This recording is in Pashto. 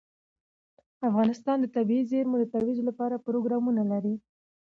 افغانستان د طبیعي زیرمې د ترویج لپاره پروګرامونه لري.